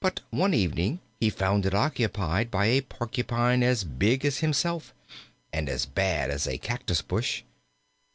But one evening he found it occupied by a Porcupine as big as himself and as bad as a cactus bush.